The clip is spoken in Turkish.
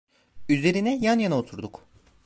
Üzerine yan yana oturduk.